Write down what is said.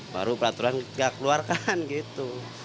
baru peraturan gak keluarkan gitu